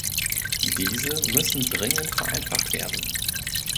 Diese müssen dringend vereinfacht werden.